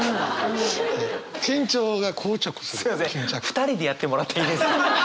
２人でやってもらっていいですか？